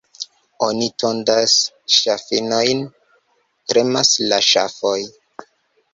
Oni tondas ŝafinojn, — tremas la ŝafoj.